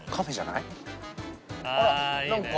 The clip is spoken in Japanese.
あら何か。